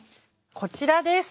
こちらです！